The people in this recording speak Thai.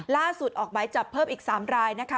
ล่าสุดออกหมายจับเพิ่มอีกสามรายนะคะ